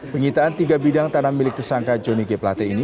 penyitaan tiga bidang tanah milik tersangka johnny g plate ini